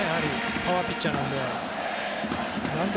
パワーピッチャーなので。